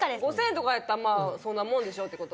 ５０００円とかやったらまあそんなもんでしょって事。